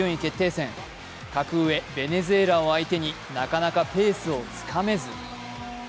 戦格上・ベネズエラを相手になかなかペースをつかめず。